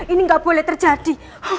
ini nggak boleh terjadi